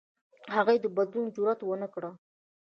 هغوی د بدلون جرئت ونه کړ.